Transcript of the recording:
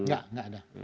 tidak tidak ada